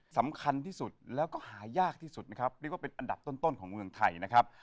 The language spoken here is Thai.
สำคัญที่สุดแล้วก็หายากที่สุดนะครับเรียกว่าเป็นอันดับต้นของเมืองไทยนะครับ